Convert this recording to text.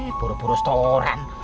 eh buru buru setoran